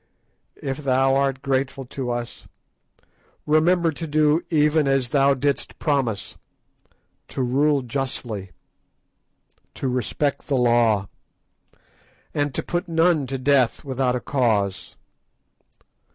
If thou art grateful to us, remember to do even as thou didst promise: to rule justly, to respect the law, and to put none to death without a cause.